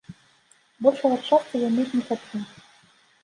Большага шчасця я мець не хачу!